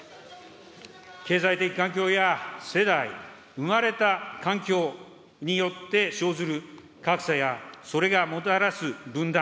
経済的環境や世代、生まれた環境によって生じる格差や、それがもたらす分断。